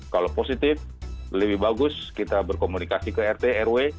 kalau positif lebih bagus kita berkomunikasi ke rt rw